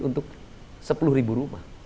untuk sepuluh ribu rumah